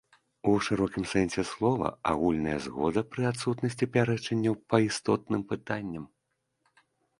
У шырокім сэнсе слова агульная згода пры адсутнасці пярэчанняў па істотным пытанням.